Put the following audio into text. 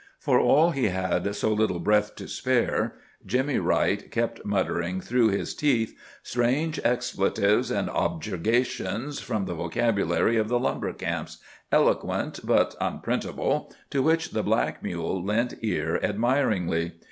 For all that he had so little breath to spare, Jimmy Wright kept muttering through his teeth strange expletives and objurgations from the vocabulary of the lumber camps, eloquent but unprintable, to which the black mule lent ear admiringly.